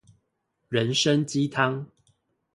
人參雞湯